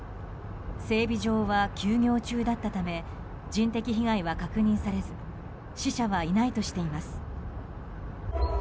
整備場は休業中だったため人的被害は確認されず死者はいないとしています。